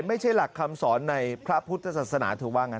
ไม่ใช่หลักคำสอนในพระพุทธศาสนาเธอว่างั้น